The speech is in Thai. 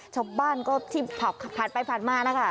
ชาวบ้านก็ที่ผ่านไปผ่านมานะคะ